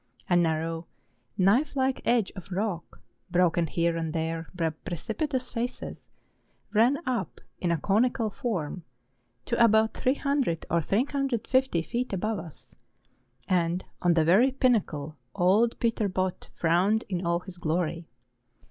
A narrow, knife like edge of rock, broken here and there by precipitous faces, ran up in a conical form, to about 300 or 350 feet above us, and on the very pinnacle old '' Peter Botte " frowned in all his glory.